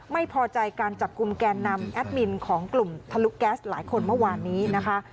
ไม่พอใจการจับกลุ่มแกนนำแอดมินของกลุ่มทะลุแก๊สหลายคนเมื่อวานนี้นะคะ